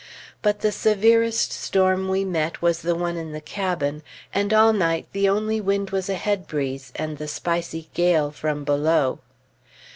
But the severest storm we met was the one in the cabin; and all night the only wind was a head breeze, and the spicy gale from below.